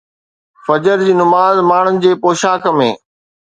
فجر جي نماز ماڻهن جي پوشاڪ ۾